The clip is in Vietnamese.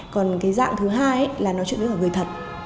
còn cái dạng thứ hai là nói chuyện với cả người thật